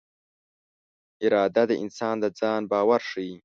اراده د انسان د ځان باور ښيي.